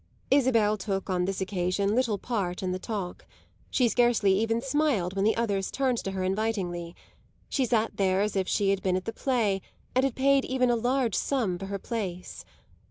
Isabel took on this occasion little part in the talk; she scarcely even smiled when the others turned to her invitingly; she sat there as if she had been at the play and had paid even a large sum for her place.